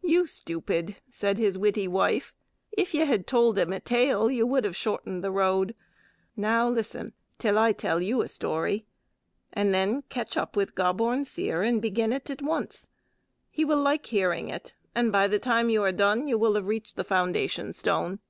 "You stupid," said his witty wife, "if you had told a tale you would have shortened the road! Now listen till I tell you a story, and then catch up with Gobborn Seer and begin it at once. He will like hearing it, and by the time you are done you will have reached the foundation stone."